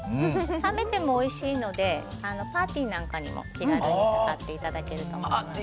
冷めてもおいしいのでパーティーなんかにも気軽に使っていただけると思います。